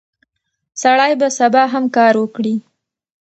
سړی به سبا هم کار وکړي.